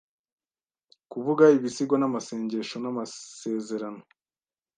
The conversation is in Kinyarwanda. kuvuga ibisigo n'amasengesho n'amasezerano